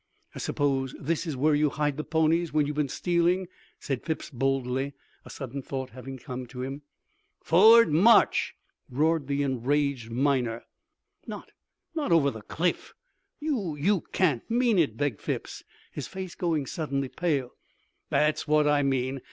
"I suppose this is where you hide the ponies you have been stealing," said Phipps boldly, a sudden thought having come to him. "Forward march!" roared the enraged miner. "Not not over the cliff you you can't mean it?" begged Phipps, his face going suddenly pale. "That's what I mean.